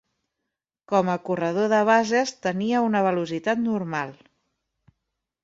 Com a corredor de bases, tenia una velocitat normal.